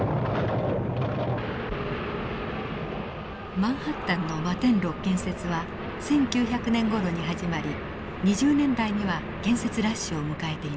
マンハッタンの摩天楼建設は１９００年ごろに始まり２０年代には建設ラッシュを迎えていました。